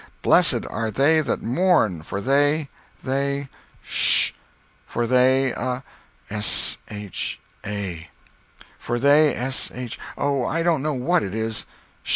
Blessed are they that mourn, for they—they—" "Sh—" "For they—a—" "S, H, A—" "For they S, H—Oh, I don't know what it is!"